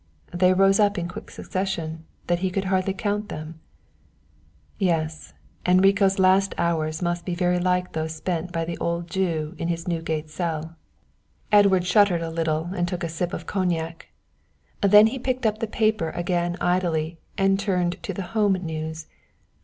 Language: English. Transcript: They rose up in quick succession, that he could hardly count them_." Yes, Enrico's last hours must be very like those spent by the old Jew in his Newgate cell. Edward shuddered a little and took a sip of cognac. Then he picked up the paper again idly and turned to the home news.